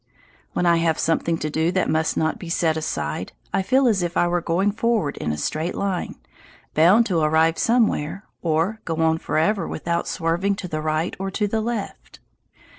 When I have something to do that must not be set aside, I feel as if I were going forward in a straight line, bound to arrive somewhere, or go on forever without swerving to the right or to the left.